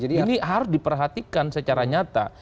ini harus diperhatikan secara nyata